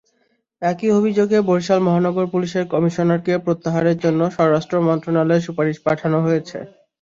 একই অভিযোগে বরিশাল মহানগর পুলিশের কমিশনারকে প্রত্যাহারের জন্য স্বরাষ্ট্র মন্ত্রণালয়ে সুপারিশ পাঠানো হয়েছে।